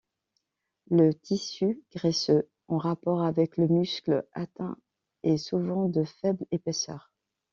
Le tissu graisseux en rapport avec le muscle atteint est souvent de faible épaisseur.